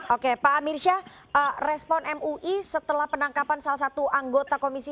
oke pak amirsyah respon mui setelah penangkapan salah satu anggota komisi